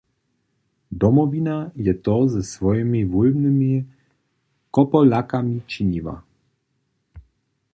Domowina je to ze swojimi wólbnymi kopolakami činiła.